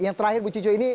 yang terakhir ibu cicu ini